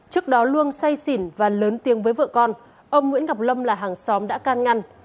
trước đó luôn say xỉn và lớn tiếng với vợ con ông nguyễn ngọc lâm là hàng xóm đã can ngăn